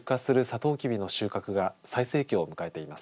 とうきびの収穫が最盛期を迎えています。